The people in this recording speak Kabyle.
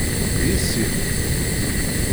D yessi-m?